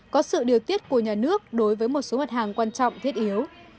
có sự điều tiết của nhà nước đối với một số mặt hàng quan trọng thiết yếu